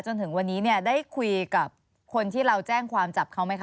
จนถึงวันนี้เนี่ยได้คุยกับคนที่เราแจ้งความจับเขาไหมค